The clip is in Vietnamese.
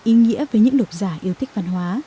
ý nghĩa với những độc giả yêu thích văn hóa